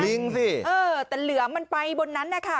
ลิงสิเออแต่เหลือมันไปบนนั้นนะคะ